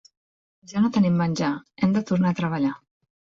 Ja no tenim menjar; hem de tornar a treballar